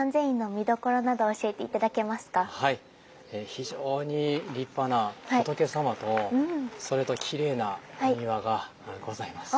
非常に立派な仏様とそれときれいなお庭がございます。